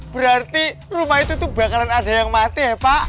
berarti rumah itu tuh bakalan ada yang mati ya pak